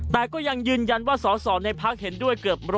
แต่ก็ยังยืนยันว่าสอสอในพักเห็นด้วยเกือบ๑๐๐